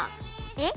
えっ？